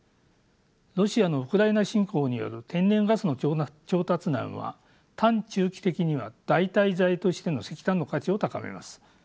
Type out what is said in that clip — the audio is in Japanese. ロシアのウクライナ侵攻による天然ガスの調達難は短・中期的には代替財としての石炭の価値を高めます。